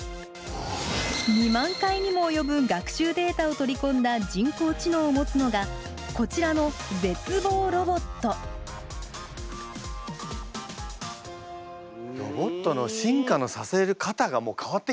２万回にも及ぶ学習データを取り込んだ人工知能をもつのがこちらの絶望ロボットロボットの進化のさせ方がもう変わってきたんですね。